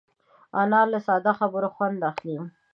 انا له ساده خبرو خوند اخلي